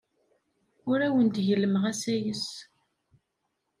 Ur awen-d-gellmeɣ asayes.